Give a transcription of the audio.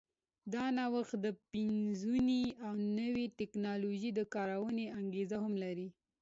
دا د نوښت، پنځونې او نوې ټکنالوژۍ د کارونې انګېزې هم لري.